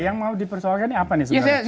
yang mau dipersoalkan ini apa nih sebenarnya